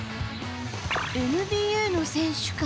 ＮＢＡの選手か？